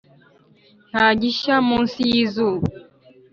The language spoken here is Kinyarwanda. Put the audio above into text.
nta gishya munsi y'izuba